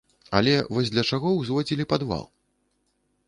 Але вось для чаго ўзводзілі падвал?